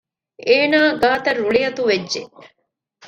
އޭނާ ގާތަށް ރުޅިއަތުވެއްޖެ